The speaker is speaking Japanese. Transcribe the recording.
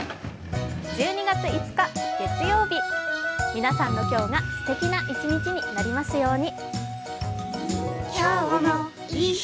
１２月５日月曜日、皆さんの今日がすてきな一日になりますように。